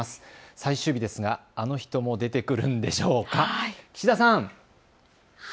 最終日ですがあの人も出てくるんでしょうか。